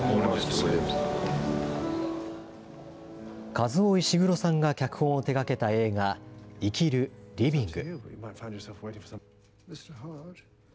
カズオ・イシグロさんが脚本を手がけた映画、生きるＬＩＶＩＮＧ。